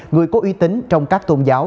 người có uy tín trong các tôn giáo